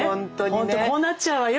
ほんとこうなっちゃうわよ。